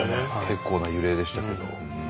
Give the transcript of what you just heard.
結構な揺れでしたけど。